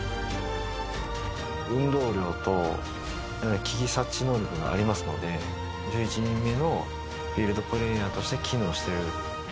運動量と危機察知能力がありますので１１人目のフィールドプレーヤーとして機能してる。